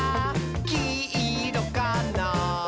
きいろかな？」